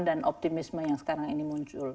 dan optimisme yang sekarang ini muncul